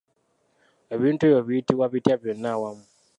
Ebintu ebyo biyitibwa bitya byonna awamu?